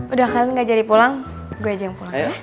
udah kalian gak jadi pulang gue aja yang pulang